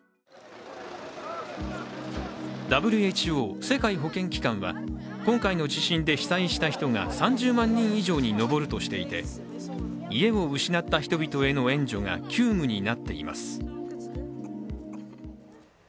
ＷＨＯ＝世界保健機関は今回の地震で被災した人が３０万人以上に上るとしていて家を失った人々への援助が急務になっています